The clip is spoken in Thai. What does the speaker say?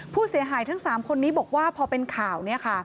ผู้เสียหายทั้ง๓คนนี้บอกว่าพอเป็นข่าว